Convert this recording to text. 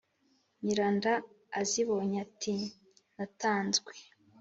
nyiranda azibonye ati « natanzwe!»